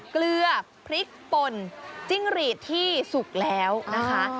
เกลือพริกป่นจิ้งหรีดที่สุกแล้วนะคะ